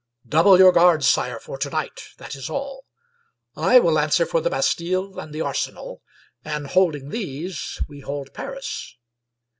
" "Double your guards, sire, for to night — that is all. I 146 Stanley J. Weyman will answer for the Bastile and the Arsenal; and holding these we hold Paris."